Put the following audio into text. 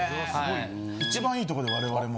一番いいとこで我々も。